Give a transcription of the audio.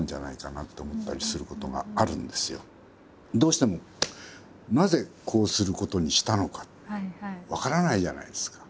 どうしてもなぜこうすることにしたのかって分からないじゃないですか。